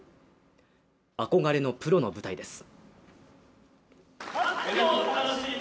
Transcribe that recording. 憧れのプロの舞台です。